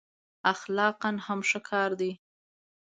اخلاقأ هم ښه کار دی.